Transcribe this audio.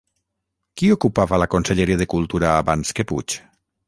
Qui ocupava la conselleria de Cultura abans que Puig?